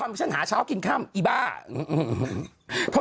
ไม่สบายหรอ